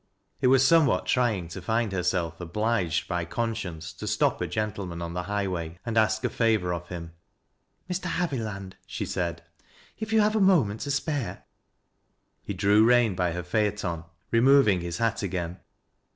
It was somewhat trying to find herself obliged by con science to stop a gentleman on the highway and ask a favor of him. " Mr. Haviland," she said. " If you have a moment to spare " He drew rein by her phaeton, removing his hat again.